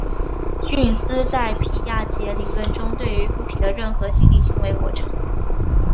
运思在皮亚杰理论中是对于物体的任何心理行为过程。